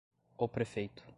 o prefeito;